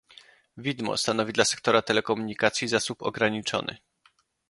Widmo stanowi dla sektora telekomunikacji zasób ograniczony